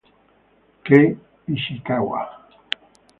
Kei Ishikawa